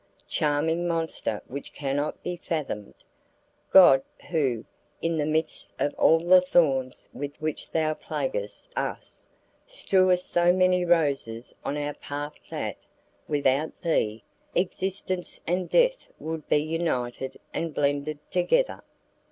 charming monster which cannot be fathomed! God who, in the midst of all the thorns with which thou plaguest us, strewest so many roses on our path that, without thee, existence and death would be united and blended together!